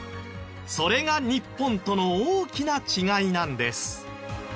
それが日本との大きな違いなんです。